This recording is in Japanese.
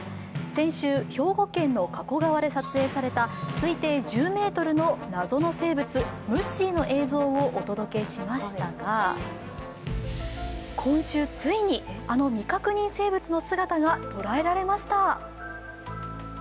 先週、兵庫県の加古川で撮影された推定１０ｍの謎の生物・ムッシーの姿をお届けしましたが今週ついに、あの未確認生物の姿が捉えられました。